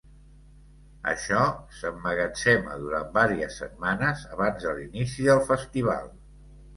Això s'emmagatzema durant vàries setmanes abans de l'inici del festival.